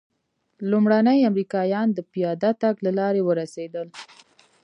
لومړني امریکایان د پیاده تګ له لارې ورسېدل.